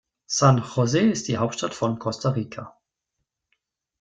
San José ist die Hauptstadt von Costa Rica.